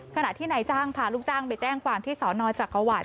ขณะที่นายจ้างพาลูกจ้างไปแจ้งความที่สนจักรวรรด